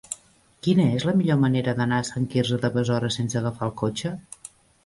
Quina és la millor manera d'anar a Sant Quirze de Besora sense agafar el cotxe?